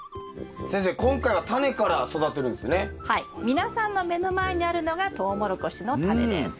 皆さんの目の前にあるのがトウモロコシのタネです。